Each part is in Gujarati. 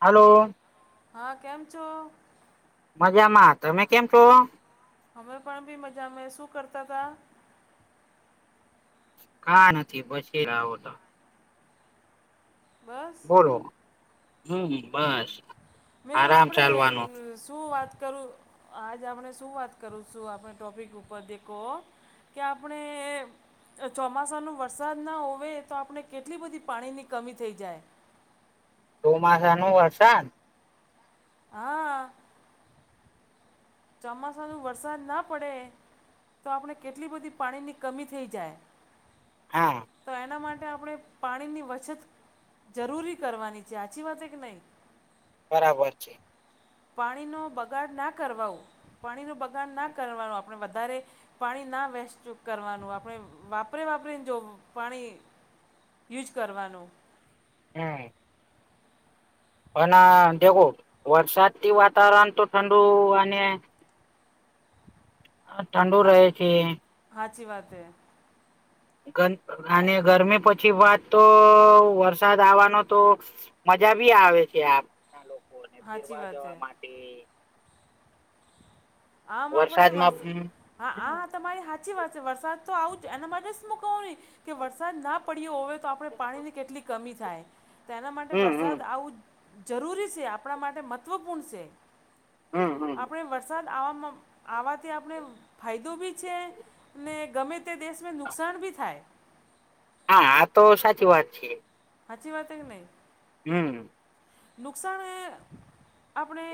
હાલો. હા કેમ છો? મજામાં તમે કેમ છો? અમે પણ બી મજામાં શું કરતા હતા? કા નથી પછી લાવોતો. બસ. બોલો હમ્મ બસ. મેં આરામ આપણે ચાલવાનો શું વાત કરું. આજ આપણે શું વાત કરું છું આપણે ટોપિક ઉપર દેખો કે આપણે ચોમાસાનો વરસાદ ના હોવે તો આપણે કેટલી બધી પાણીની કમી થઈ જાય. ચોમાસાનું વરસાદ? હા ચોમાસાનું વરસાદ ના પડે તો આપણે કેટલી બધી પાણીની કમી થઈ જાય. હા તો એના માટે આપણે પાણીની વછત જરૂરી કરવાની છે હાચી વાત હેકે નહી? બરાબર છે. પાણીનો બગાડ ના કરવા. પાણીનો બગાડ ના કરવાનું આપણે વધારે પાણી ના વેસ્ટ કરવાનું. આપણે વાપરી વાપરીને જો પાણી યુઝ કરવાનું. હમ્મ અન દેખો વરસાદથી વાતાવરણ તો ઠંડુ અને ઠંડુ રહે છે. હાચી વાત હે. ગંદ અને ગરમી પછી વાત તો વરસાદ આવવાનો તો મજા ભી આવે છે આપના લોકોને સાચી ફેરવા વાત એ જવા માટે. આમ આપણે વરસાદમાં વરસ હા હમ આ તમારી હાચી વાત છે. વરસાદ તો આવુ જ એના [inaudible] કે વરસાદ ના પડ્યો હોવે તો આપણે પાણીની કેટલી કમી થાય. તેના માટે હમ હમ વરસાદ આવું જરૂરી છે. આપણા માટે મહત્ત્વપૂર્ણ છે. હમ હમ આપણે વરસાદ આવામાં આવાથી આપણે ફાયદો બી છે. ને ગમે તે દેશને નુકસાન બી થાય. હા આતો સાચી વાત છે. હાચી વાત હેકે નહીં? હમ્મ નુકસાન આપણે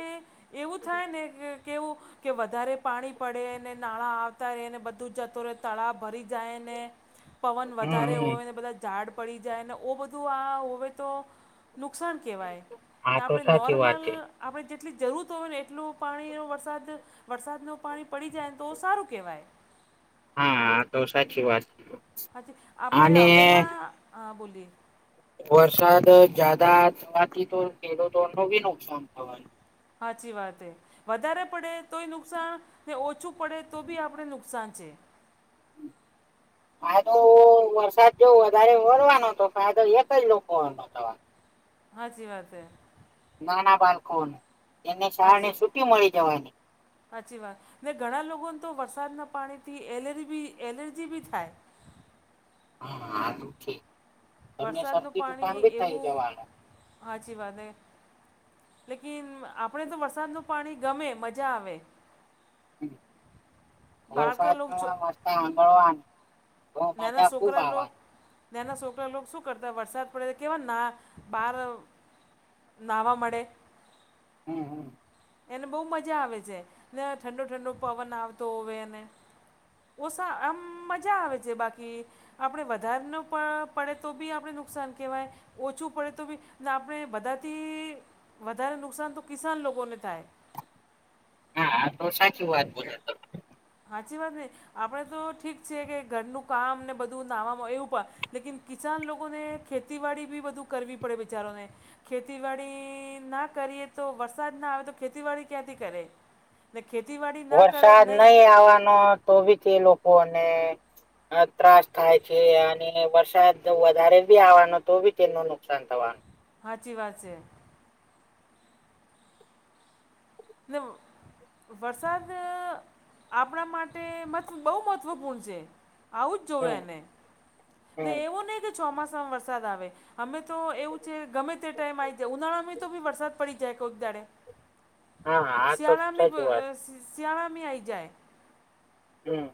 એવું થાય ને કે કેવું કે વધારે પાણી પડેને, નાણાં આવતા રહે ને, બધું જતું રહે તળાવ ભરી જાય ને. પવન હમ વધારે હમ હોય ને બધા ઝાડ પડી જાય ને, ઓ બધું આ હોવે તો નુકસાન કેવાય. હા ને તો આપણે સાચી વાત નોર્મલ છે આપણે જેટલી જરૂરત હોવે ને એટલું પાણીનો વરસાદ વરસાદનું પાણી પડી જાય તો સારું કેવાય. હા આતો સાચી વાત. હાચી આપણે અને હવેના હા બોલીએ વરસાદ જ્યાદા થવાથી તો ખેડૂતોનુ બી નુકસાન થવાનું. હાચી વાત હે. વધારે પડે તોય નુકસાન ને ઓછું પડે તો બી આપણે નુકસાન છે. આતો વરસાદ જો વધારે વરવાનો તો ફાયદો એક જ લોકોનો થવાનો. હાચી વાત હે. નાના બાળકોન એને કારને છૂટી મળી જવાની. હાચી વાત. ને ઘણા લોકોન તો વરસાદના પાણીથી એલરી બી એલર્જી બી થાય. હા દુખે. તમને વરસાદનું શરદી ઝુકામ બી થઈ જવાનો. હાચી વાત એ. લેકિન આપડે તો વરસાદનુ પાણી ગમે મજા આવે. બાળકા લોક વરસાદનુ છો આ મસ્ત [unintelligible] આ નાના સોકરા લોગ નાના સોકરા લોગ સુ કરતા વરસાદ પડે એટલે કેવા ના બહાર અહ નાવા મંડે. હમ્મ હમ્મ. એને બહુ મજા આવે છે ને ઠંડો-ઠંડો પવન આવતો હોવે એને ઓસા આમ મજા આવે છે બાકી. આપડે વધાર નુ પ-પડે તો બી આપડે નુકસાન કહેવાય ઓછું પડે તો બી ને આપણે બધાથી વધારે નુકસાન તો કિસાન લોગોને થાય. હા તો સાચી વાત બોલ્યા તમ હાચી વાત ને, આપડે તો ઠીક છે કે ઘરનું કામ ને બધું નાવામાં એવું પ લેકિન કિસાન લોગોને ખેતીવાડી બી બધું કરવી પડે બિચારોને. ખેતીવાડી ના કરીએ તો, વરસાદ ના આવે તો ખેતીવાડી ક્યાંથી કરે. ને ખેતીવાડી ના કરે વરસાદ નહીં નહી આવવાનો તો બી તે લોકોને અહ ત્રાસ થાય છે અને વરસાદ વધારે બી આવવાનો તો બી તેનું નુકસાન થવાનું. હાચી વાત છે. નેમ વરસાદ આપડા માટે મત બહુ મહત્ત્વપૂર્ણ છે. આવવું જ જોવે હમ એને, ને હમ એવું નહીં કે ચોમાસામાં વરસાદ આવે. હમે તો એવું છે ગમે તે ટાઈમ આઈ જાય ઉનાળામે તો બી વરસાદ પડી જાય કોઈક દાડે. હા આ તો સીયાળામી બ સાચી વાત સ સીયાળામી આઈ જાય. હમ્મ.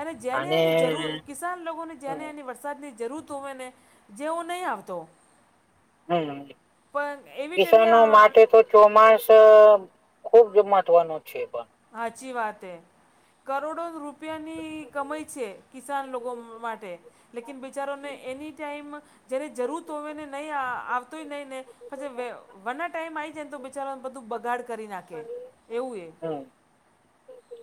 અને જેને એની જરૂર કિસાન લોગોને હમ જેને એની વસ સાદની જરુરત હોઈને જેવો નહીં આવતો. હમ્મ પણ એવી કિસાનો ટાઈમે માટે તો ચોમાસો ખૂબજ મહત્વનો છે પણ. હાચી વાત એ. કરોડો રૂપિયાની કમાઈ છે. કિસાન લોકો મ-માટે. લેકિન બિચારોને એની ટાઈમ જ્યારે જરુરત હોવે ને નહી આ-આવતોય નહી ને પાછા વે-વના ટાઈમ આઈ જાયન તો બિચારાઓન બધું બગાડ કરી નાખે એવું એ. હમ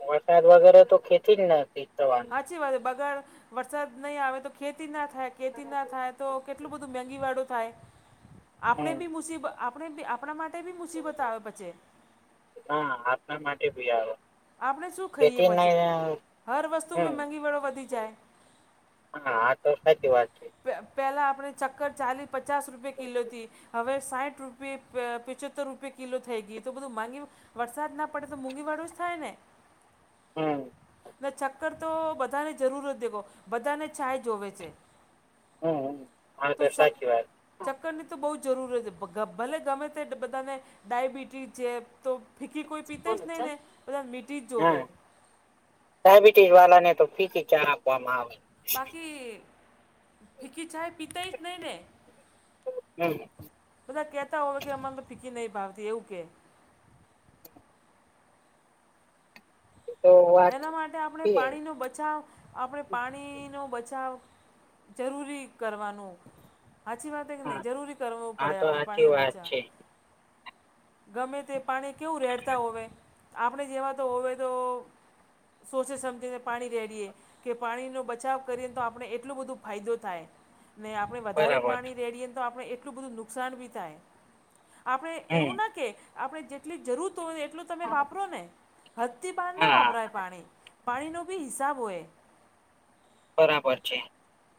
વરસાદ વગર તો ખેતી જ નથી થવાન હાચી વાત એ બગાડ વરસાદ નઈ આવે તો ખેતી ના થાય કેતી ના થાય તો કેટલું બધું મેઘીવાળું થાય આપણે હમ બી મુસીબ આપડે બી આપડે માટે બી મુસીબત આવે પછી. હા, આપડા માટે બી આવે. આપડે સુ ખઈએ ખેતી પછે, નહી હર વસ્તુ હમ મેં મેંઘીવાળું વધી જાય. હા, આ તો સાચી વાત છે. પે પેલાં આપળે ચક્કર ચાલી પચાસ રૂપે કિલોથી હવે સાઈટ રૂપિયે પ પિચોતર રૂપે કિલો થઈ ગઈ તો બધું માંગી, વરસાદ ના પડે તો મોંઘી વાળો જ થાય ને. હમ્મ. ને ચક્કર તો બધાને જરૂર જ દેખો બધાને ચાય જોવે છે. હમ્મ, હા તો તે ચક સાચી વાત. હા ચક્કરની તો બોજ જરૂર જરુર પગ ભલે ગમે તે બધાને ડાયબિટીઝ જે તો ફીકી કોઈ પીતે જ નય ને, બધાન મીઠી જ જોવે. ડાયાબિટીસ વાલા ને તો ફીકી જ ચા આપવામાં આવે. બાકી ફીકી ચાય પીતૈ જ નય ને. [unintelligible] બધા કેતા હોવે કે અમાંન ફીકી નય ભાવતી એવું કે. તો વાત એના માટે આપણે છે પાણીનો બચાવ આપળે પાણીનો બચાવ જરૂરી કરવાનો. હાચી વાત એ નય હા જરૂરી કરવું આ પડે તો આપણે સાચી પાણી નું વાત બચાવ. છે ગમે તે પાણી કેવું રેડતા હોવે આપણે જેવા તો હોવે તો સોચી સમજીને પાણી રેડીએ કે પાણીનું બચાવ કરીએને તો આપણે એટલું બધું ફાયદો થાય ને આ પણે વધારે બરાબર પાણી રેડીએ તો આપણે એટલું બધું નુકસાન બી થાય. આપણે હમ એવું ના કે આપણે જેટલી જરૂત તો એ એટલું તમે વાપરો ને હદથી બહાર ના હા વાપરાય પાણી. પાણી નો બી હિસાબ હોય. બરાબર છે.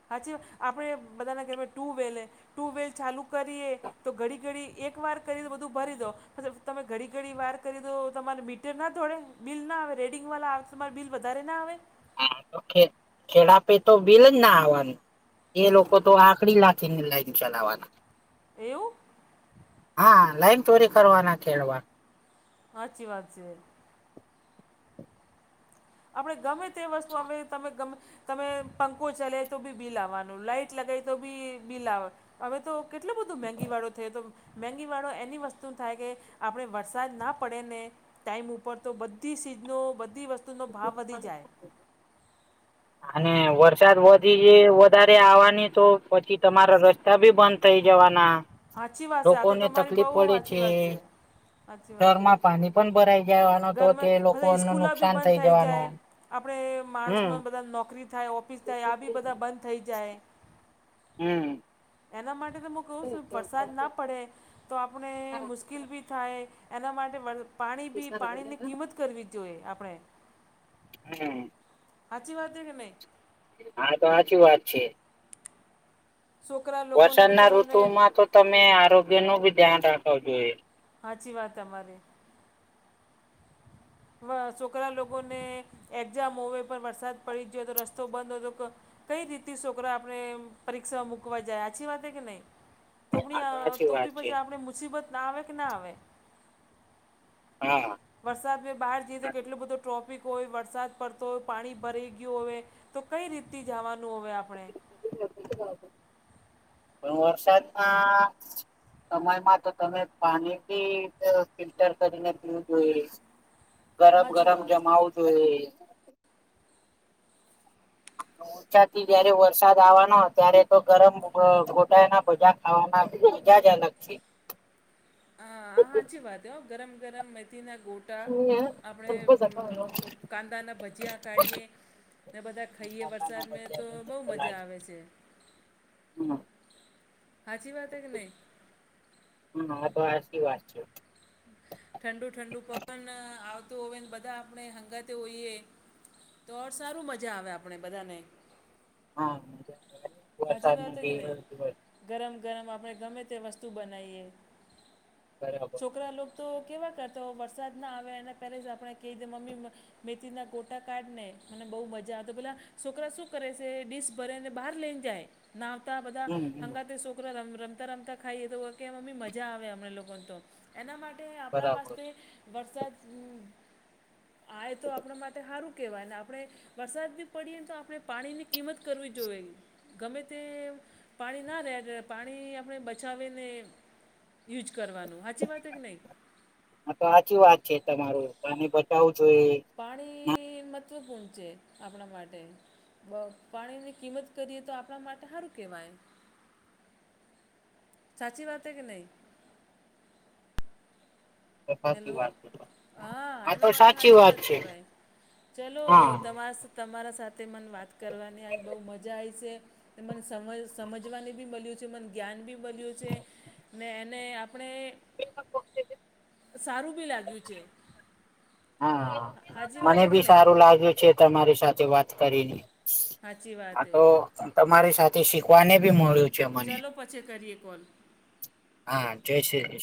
હાચીવ આપળે બધાના ઘરમાં ટુ વેલ લે ટુ વેલ ચાલુ કરીએ તો ઘડી ઘડી એક વાર કરી ને બધું ભરી દો મતલબ તમે ઘડી ઘડી વાર કરી દો તમારે મી તરના થોળે, બિલ ના આવે, રેડિંગવાળા આવ તો તમારે બિલ વધારે ના આવે? હા તો ખેડ ખેડાપિ તો બિલ જ ના આવાનું એ લોકો તો આકડી લા ખી ને લાઈન ચલાવાના. એવું? હા, લાઈન ચોરી કરવા ના ખેડવા. હાચી વાત છે. આપળે ગમે તે વસ્તુ અમે તમે ગમે તમે પંખો ચલા તો બી બિ આવાનું, લાઈટ લગાઇ તો બી બિ આવ અવે તો કેટલું બધું મેંગીવાળો થયો તો મેંગીવાળો એની વસ્તુન થાય કે આપળે વરસાદ ના પડેને ટાઈમ ઉપર તો બધી સીઝનો, બધી વસ્તુનો ભાવ વધી જાય. અને વરસાદ વધી એ વધારે આવાની તો પછી તમારા રસ્તા બી બંધ થઇ જવાના સાચી વાત છે આ તો લોકોને તમારી તકલીફ બહુ પડે સાચી છે, વાત સાચી વાત છે ઘરમાં પાણી પણ ભરાઈ જવાનો તો તે ઘરમાં લોકોનું નુકસાન થઇ જવાનું. આપળે હમ માણસનો ને બધાન નોકરી થાય, ઓફિસ થાય આ બી બધા બંધ થઈ જાય. હમ્મ. એના માટે તો મુ કંવ સું વરસાદ ના પડે તો આપૂણે મુશ્કિલ બી થાય. એના માટે વલ પાણી બી પાણીની કિંમત કરવી જોઈએ આપળે. હમ્મ. હાચી વાત હે કે નય? માર તો સાચી વાત છે. છોકરા લોકોને વરસાદ ના બિચારોને ઋતુ માં તો તમે આરોગ્ય નું ભી ધ્યાન રાખવું જોઈએ. હાચી વા તમારી વ છોકરા લોકોને એક્ઝામ હોવે પર વરસાદ પડી જયો તો રસ્તો બંધ હતો તો કઈ રીતે સોકરા આપણે પરીક્ષામાં મુકવા જા, હાચી વાત હે કે નઈ તોબદી આ સાચી તો વાત બી છે પછી આપણે મુસીબત ના આવે કે ના આવે. હા વરસાદ મે બહાર જઈએ તો કેટલો બધો ટ્રોફિક હોય, વરસાદ પડતો હોય પાણી ભરાઈ ગયું હોવે. તો કઈ રીત થી જવાનું હવે આપણે? વરસાદમાં સમયમાં તો તમે પાની પી, તે ફિલ્ટર કરીને પીવું જોઈએ. સાચી ગરમ-ગરમ વાત હે જમાંવું જોઈએ. છત થી ત્યારે વરસાદ આવાનો, ત્યારે તો ગરમ અ ખોટા એના ભજ્યા ખાવાના મજા જ અલગ છે. હ.. હા, હાચી વાત હ, ગરમ-ગરમ મેથીના ગોટ ટા આપણે કાકાના ભજીયા કાંદાના ભજીયા કાઢીએ. ને બધા બી ખાઈએ વરસાદ મસ્ત મે તો બોવ મજા લાગે. હમ આવે છે. [unintelligible] હાચી વાત હે કે નઈ હા-હા, તો હાચી વાત છે. ઠંડુ-ઠંડુ પવન આવતું હોવે ને, બધા આપણે હંગાતે હોઈએ તો ઓર સારું મજા આવે આપણે બધાને હા હાજી વાત વરસાદના હે કે નઈ દિવસ દિવસ ગરમ-ગરમ આપણે ગમે તે વસ્તુ બનાઇએ, બરાબર છોકરા લોકો તો કેવા કરતો વરસાદ ના આવે એને પેલે જ આપણે કઇ દે, મમ્મી મન તો મેથીના ગોટા કાઢ ને, મને બઉ મજા આવ તો પેલા છોકરા શું કરે સે ડીશ ભરેને બહાર લઈને જાય, ના આવતા બધા હમ હમ હંગાતે સો કોરા રમ, રમતા-રમતા ખાઈએ તો કે મમ્મી મજા આવે અમને લોકોને તો, એના માટ તે આપડા બરાબર વાસ્તે વરસાત, આય તો આપણા માટે હારું. કેવાય ને આપડે વરસાદ બી પડીએ તો આપણે પાણીની કિંમત કરવી જોએ. ગમે તે પાણી ના રેડ પાણી આપણે બચાવી ને યુજ કરવાનું હાચી વાત હે કે નઇ? હા તો હાચી વાત છે તમારું, પાણી બચાવું જોઈએ. પાણી મહત્ત્વપૂર્ણ છે, આપણા માટે બ પાણીની કિંમત કરીએ તો આપણા માટે હારું કેવાય. સાચી વાત હે કે નઈ? સાચી હેલો.. વાત છે. હા, તો એના માટે સાચી હાચી વાત છે કેવાય ચલો હા. તમાસ તમારા સાથે મને વાત કરવાની આજ બઉ મજા આયી સે. મને સમજ સમજવાની બી મલ્યું છે, મને જ્ઞાન બી મલ્યું છે. ને એને આપણે સારું બી લાગ્યું છે. હા, સાચી વાત મને હે કે બી નહીં સારું લાગે છે, તમારી સાથે વાત કરીને. સાચી વાત આ હે તો તમારી સાથે શીખવાને બી મળ્યું. છે મને ચલો પછી કરીએ કોલ હા, જય શ્રી કૃષ્ણ